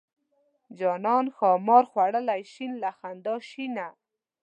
جانان ښامار خوړلی شین له خندا شینه.